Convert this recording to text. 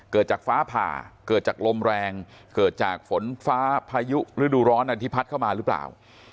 เกิดจากฟ้าผ่าเกิดจากลมแรงเกิดจากฝนฟ้าพายุฤดูร้อนอันที่พัดเข้ามาหรือเปล่า